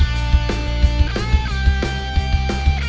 ya yaudah jadi keeper aja ya